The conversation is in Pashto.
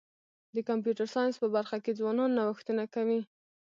د کمپیوټر ساینس په برخه کي ځوانان نوښتونه کوي.